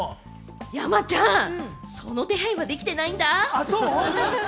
山ちゃん、その手配はできてないんだ。